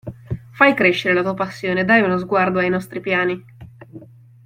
Fai crescere la tua passione, dai uno sguardo ai nostri piani.